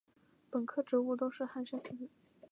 本科植物都是旱生型的。